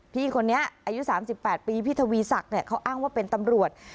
พี่คนนี้อายุ๓๘ปีพี่ทวีศักดิ์เขาอ้างว่าเป็นตำรวจ